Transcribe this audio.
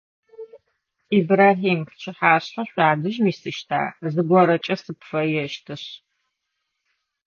Ибрахьим, пчыхьашъхьэ шъуадэжь уисыщта, зыгорэкӏэ сыпфэещтышъ?